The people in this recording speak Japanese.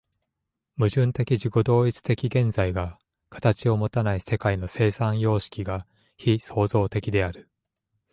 矛盾的自己同一的現在が形をもたない世界の生産様式が非創造的である。